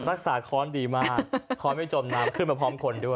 ค้อนดีมากค้อนไม่จมน้ำขึ้นมาพร้อมคนด้วย